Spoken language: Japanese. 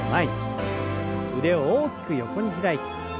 腕を大きく横に開いて。